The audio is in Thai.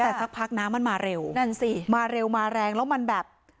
แต่สักพักน้ำมันมาเร็วนั่นสิมาเร็วมาแรงแล้วมันแบบ